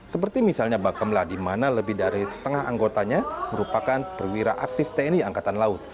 seperti misalnya back kemla di mana lebih dari setengah anggotanya merupakan perwira aktif tni angkatan laut